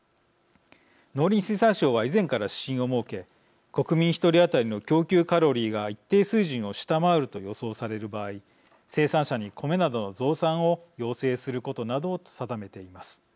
農林水産省は以前から指針を設け国民１人あたりの供給カロリーが一定水準を下回ると予想される場合生産者にコメなどの増産を要請することなどを定めています。